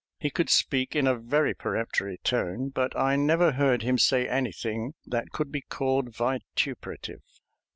He could speak in a very peremptory tone, but I never heard him say anything that could be called vituperative.